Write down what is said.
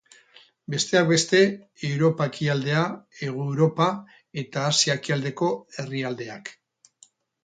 Besteak beste, Europa Ekialdea, Hego Europa eta Asia Ekialdeko herrialdeak.